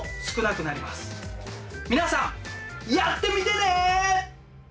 皆さんやってみてね！